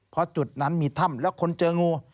เพราะจุดนั้นมีถ้ำแล้วคนเจองู